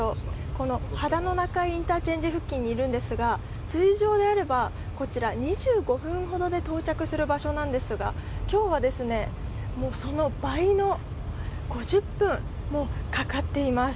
この秦野中井インターチェンジ付近にいるんですが、通常であれば２５分ほどで到着する場所なんですが今日はその倍の５０分もかかっています。